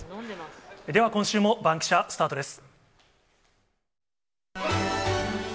では今週もバンキシャ、スタートです。